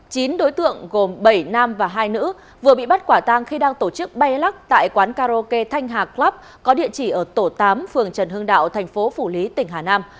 chín đối tượng gồm bảy nam và hai nữ vừa bị bắt quả tang khi đang tổ chức bay lắc tại quán karaoke thanh hạclub có địa chỉ ở tổ tám phường trần hưng đạo thành phố phủ lý tỉnh hà nam